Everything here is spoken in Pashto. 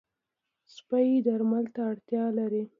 سپي درمل ته اړتیا لري.